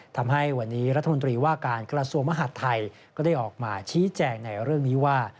ทำให้วันนี้รัฐมนตรีว่าการกระทรวงมหาดไทยก็ได้ออกมาชี้แจงในเรื่องนี้ว่า